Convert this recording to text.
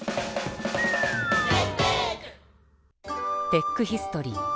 テックヒストリー。